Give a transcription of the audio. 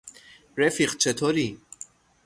رفیق چطوری؟